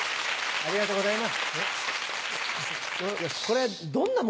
ありがとうございます。